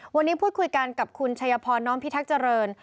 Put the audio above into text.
วันนี้พูดคุยกันกับคุณชัยพรน้อมพิทักษ์เจริญ